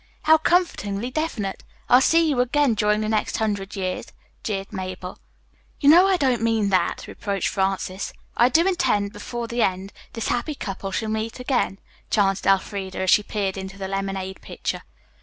"How comfortingly definite. I'll see you again during the next hundred years," jeered Mabel. "You know I don't mean that," reproached Frances. "I do intend before the end, This happy couple shall meet again," chanted Elfreda as she peered into the lemonade pitcher.